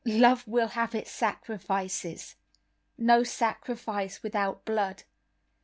Love will have its sacrifices. No sacrifice without blood.